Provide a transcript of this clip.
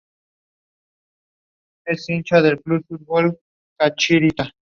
Es la secuela de la clásica obra previa de Miller, "The Dark Knight Returns".